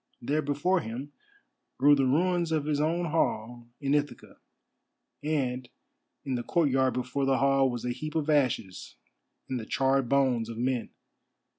There before him grew the ruins of his own hall in Ithaca, and in the courtyard before the hall was a heap of ashes, and the charred bones of men.